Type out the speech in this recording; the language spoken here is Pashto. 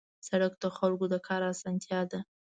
سړک د خلکو د کار اسانتیا ده.